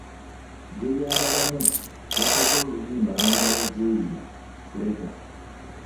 Jjolyabalamu, yakoze oluyimba n'Omunayigeria Flavour